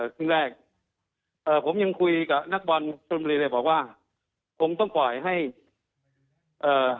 ขึ้นแรกเอ่อผมยังคุยกับนักบอลบอกว่าผมต้องปล่อยให้เอ่อ